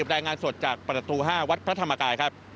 รายงานสดจากประตู๕วัดพระธรรมกายครับ